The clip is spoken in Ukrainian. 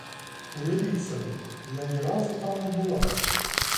Уявіть собі, я ні разу там не була.